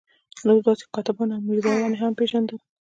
نور داسې کاتبان او میرزایان یې هم پېژندل.